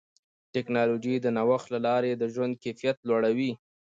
ټکنالوجي د نوښت له لارې د ژوند کیفیت لوړوي.